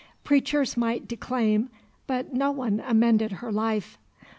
Preachers might declaim, but no one amended her life.